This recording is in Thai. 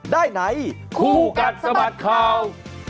ได้ไหนคู่กัดสะบัดข่าว